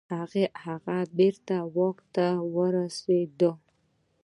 هغه بیرته واک ته ورسیده.